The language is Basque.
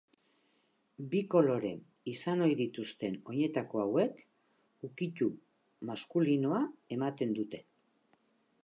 Bi kolore izan ohi dituzten oinetako hauek, ukitu maskulinoa ematen dute.